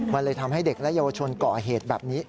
มันเลยทำให้เด็กและเยาวชนก่อเหตุแบบนี้